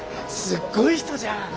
すごい人じゃん！